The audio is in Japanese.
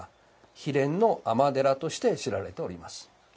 悲恋の尼寺として知られております。